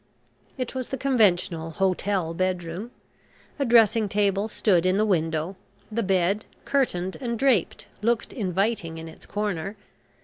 It was the conventional hotel bedroom. A dressing table stood in the window; the bed, curtained and draped, looked inviting in its corner.